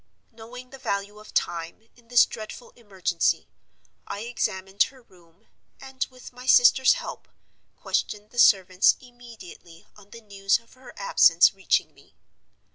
"Knowing the value of time, in this dreadful emergency, I examined her room, and (with my sister's help) questioned the servants immediately on the news of her absence reaching me.